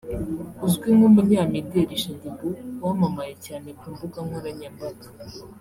uzwi nk’ Umunyamideli Shaddy Boo wamamaye cyane ku mbuga nkoranyambaga